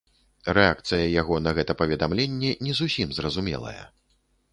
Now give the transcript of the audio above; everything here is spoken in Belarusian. Рэакцыя яго на гэта паведамленне не зусім зразумелая.